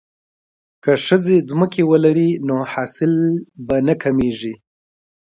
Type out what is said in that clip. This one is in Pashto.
که ښځې ځمکه ولري نو حاصل به نه کمیږي.